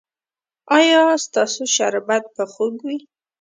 ایا ستاسو شربت به خوږ وي؟